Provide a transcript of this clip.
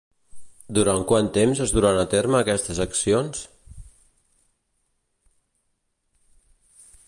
Durant quant temps es duran a terme aquestes accions?